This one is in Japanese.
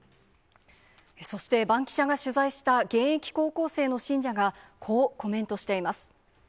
そして、バンキシャが取材した現役高校生の信者が、こうコメントしています。